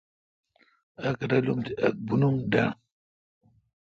اک رالم تہ اک بونم ڈنڈ۔